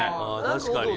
確かに。